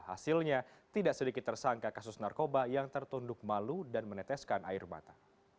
hasilnya tidak sedikit tersangka kasus narkoba yang tertunduk malu dan meneteskan air mata